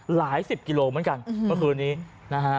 หลายสิบกิโลเหมือนกันเมื่อคืนนี้นะฮะ